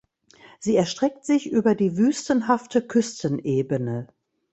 Sie erstreckt sich über die wüstenhafte Küstenebene.